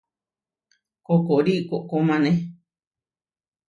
Koʼkóri koʼkómane.